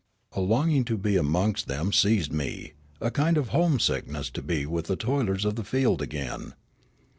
A longing to be amongst them seized me, a kind of homesickness to be with the toilers of the field again.